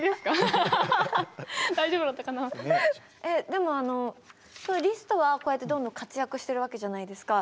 でもリストはこうやってどんどん活躍してるわけじゃないですか。